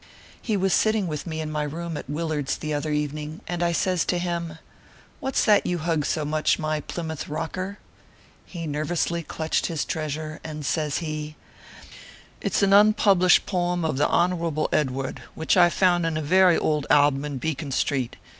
He was sitting with me in my room at Willard s the other evening, and says I to him : "What s that you hug so much, my Plymouth Rocker ?" He nervously clutched his treasure, and says he : "It s an unpublished poem of the Honorable Edward, which I found in a very old album in Beacon street.